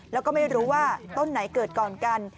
แล้วก็ไม่รู้ว่าต้นไหนเกิดก่อนกัน